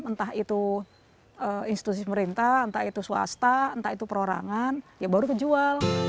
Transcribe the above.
entah itu institusi pemerintah entah itu swasta entah itu perorangan ya baru kejual